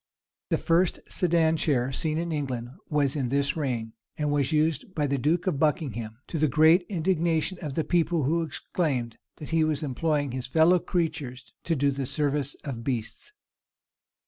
The first sedan chair seen in England was in this reign, and was used by the duke of Buckingham; to the great indignation of the people, who exclaimed, that he was employing his fellow creatures to do the service of beasts.